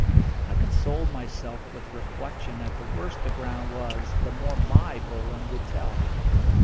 I consoled myself with the reflection that the worse the ground was the more my bowling would tell.